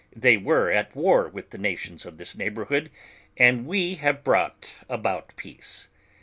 They were at war with the nations of this neighborhood, and we have brought about peace.